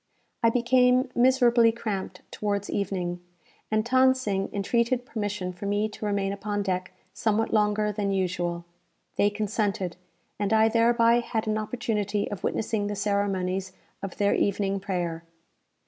I became miserably cramped towards evening; and Than Sing entreated permission for me to remain upon deck somewhat longer than usual. They consented, and I thereby had an opportunity of witnessing the ceremonies of their evening prayer.